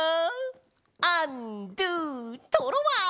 アンドゥトロワ！